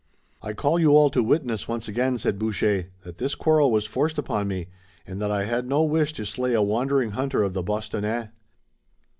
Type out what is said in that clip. "I call you all to witness once again," said Boucher, "that this quarrel was forced upon me, and that I had no wish to slay a wandering hunter of the Bostonnais."